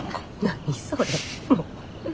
何それ。